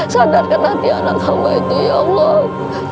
sadarkan hati anak kamu itu ya allah